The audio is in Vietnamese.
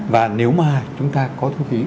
và nếu mà chúng ta có thu phí